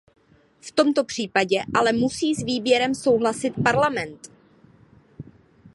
V tomto případě ale musí s výběrem souhlasit parlament.